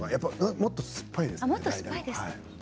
もっと酸っぱいです。